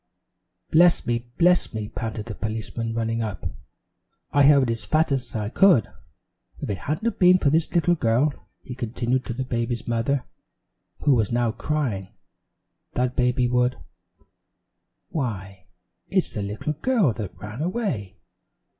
"Bless me! Bless me!" panted the policeman, running up. "I hurried as fast as I could. If it hadn't been for this little girl," he continued to the baby's mother, who was now crying, "that baby would Why, it's the little girl that ran away!